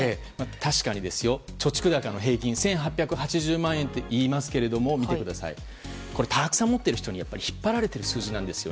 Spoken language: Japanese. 確かに貯蓄額の平均１８８０万円っていいますけどたくさん持ってる人に引っ張られている数字なんです。